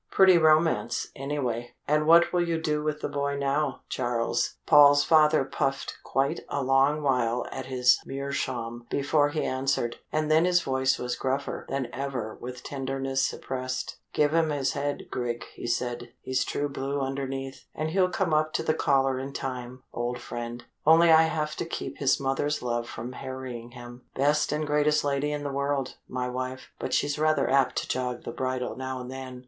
"Pretty romance, anyway. And what will you do with the boy now, Charles?" Paul's father puffed quite a long while at his meerschaum before he answered, and then his voice was gruffer than ever with tenderness suppressed. "Give him his head, Grig," he said. "He's true blue underneath, and he'll come up to the collar in time, old friend only I shall have to keep his mother's love from harrying him. Best and greatest lady in the world, my wife, but she's rather apt to jog the bridle now and then."